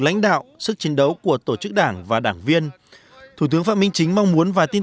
lãnh đạo sức chiến đấu của tổ chức đảng và đảng viên thủ tướng phạm minh chính mong muốn và tin